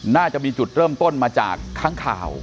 น่าจะมีจุดเริ่มต้นมาจากค้างข่าว